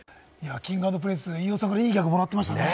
Ｋｉｎｇ＆Ｐｒｉｎｃｅ、飯尾さんからいいギャグもらってましたね。